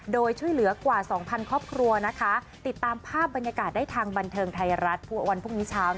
โดยช่วยเหลือกว่า๒๐๐ครอบครัวนะคะติดตามภาพบรรยากาศได้ทางบันเทิงไทยรัฐวันพรุ่งนี้เช้า